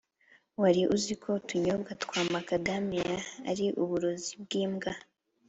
wari uziko utunyobwa twa macadamia ari uburozi bwimbwa